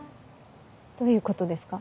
どういうことですか？